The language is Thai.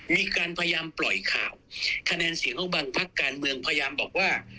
มีการพยายามปล่อยข่าวคะแนนเสียงของบางพักการเมืองพยายามบอกว่า